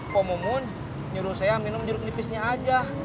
pomungun nyuruh saya minum jeruk nipisnya aja